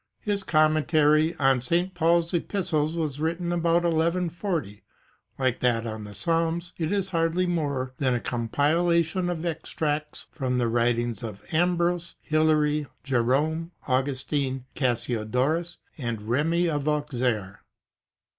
^ His commentary on St. Paul's Epistles was written about 1 1 40. Like that on the Psalms it is hardly more than a compila tion of extracts from the writings of Ambrose, Hilary, Jerome, Augustine, Cassiodorus and Remi of Auxerre.